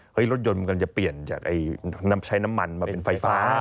รถยนต์มันกำลังจะเปลี่ยนจากน้ำใช้น้ำมันมาเป็นไฟฟ้า